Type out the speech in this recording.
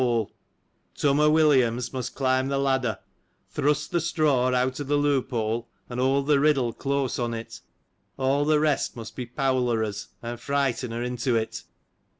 609 O' William's must climb the ladder, thrust the straw out of the loop hole, and hold the riddle close on it ; all the rest must be powlerers,^ and frighten her into it.